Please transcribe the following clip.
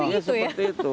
oh iya seperti itu